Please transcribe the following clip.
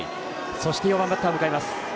そして、４番バッターを迎えます。